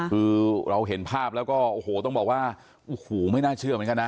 คือเราเห็นภาพแล้วก็โอ้โหต้องบอกว่าโอ้โหไม่น่าเชื่อเหมือนกันนะ